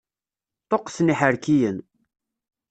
Ṭuqqten iḥerkiyen.